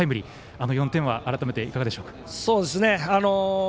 あの４点は改めていかがでしょうか？